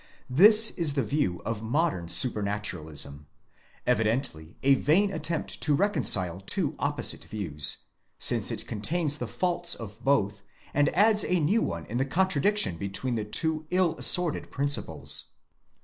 'This is the view of modern Supranaturalism ?; evidently a vain attempt to reconcile two opposite views, since it contains the faults of both, and adds a new one in the contradiction between the two ill assorted principles.